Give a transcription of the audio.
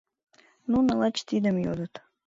Нуно лач тидым йодыт.